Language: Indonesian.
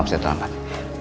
maaf saya terlambat